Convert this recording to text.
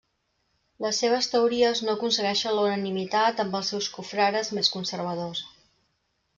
Les seves teories no aconsegueixen la unanimitat amb els seus confrares més conservadors.